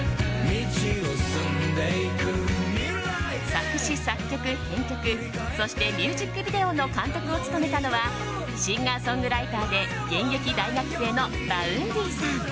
作詞・作曲・編曲そしてミュージックビデオの監督を務めたのはシンガーソングライターで現役大学生のＶａｕｎｄｙさん。